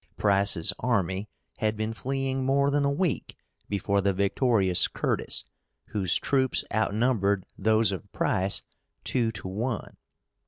Price's army had been fleeing more than a week before the victorious Curtis, whose troops outnumbered those of Price two to one.